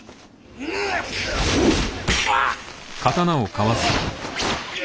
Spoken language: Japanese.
うわっ！